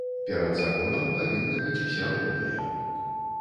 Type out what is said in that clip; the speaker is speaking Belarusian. Перад законам павінны быць усе роўныя.